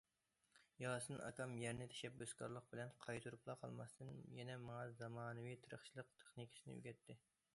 ياسىن ئاكام يەرنى تەشەببۇسكارلىق بىلەن قايتۇرۇپلا قالماستىن، يەنە ماڭا زامانىۋى تېرىقچىلىق تېخنىكىسىنى ئۆگەتتى.